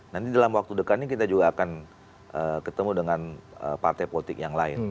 nanti dalam waktu dekat ini kita juga akan ketemu dengan partai politik yang lain